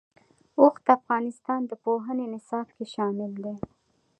اوښ د افغانستان د پوهنې نصاب کې شامل دي.